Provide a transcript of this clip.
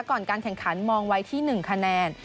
ก่อนการแข่งขันมองไว้ที่๑คะแนน